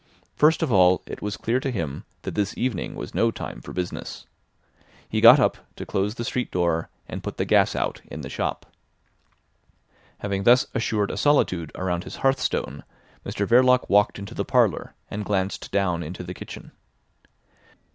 First of all, it was clear to him that this evening was no time for business. He got up to close the street door and put the gas out in the shop. Having thus assured a solitude around his hearthstone Mr Verloc walked into the parlour, and glanced down into the kitchen.